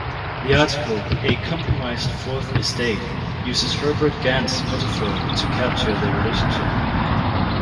The article 'A Compromised Fourth Estate' uses Herbert Gans' metaphor to capture their relationship.